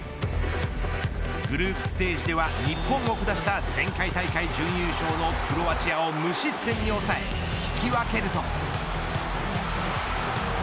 グループステージでは日本を下した前回大会準優勝のクロアチアを無失点に抑え引き分けると。